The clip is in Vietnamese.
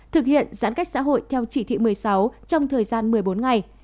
thực hiện giãn cách xã hội theo chỉ thị một mươi sáu trong thời gian một mươi bốn ngày